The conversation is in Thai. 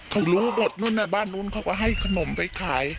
เขารู้บทนู้นบ้านนู้นเขาก็ให้ขนมไปขาย